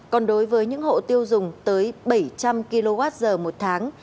còn đối với những hộ tiêu dùng tới bảy trăm linh kwh một tháng